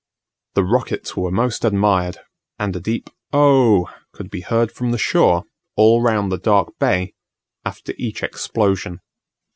The rockets were most admired, and a deep "Oh!" could be heard from the shore, all round the dark bay, after each explosion.